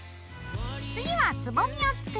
次はつぼみを作ります。